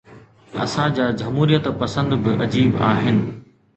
اسان جا جمهوريت پسند به عجيب آهن.